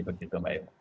begitu mbak eva